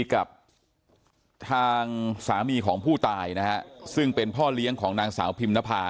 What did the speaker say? กับทางสามีของผู้ตายนะฮะซึ่งเป็นพ่อเลี้ยงของนางสาวพิมนภา